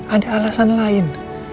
ada alasan lain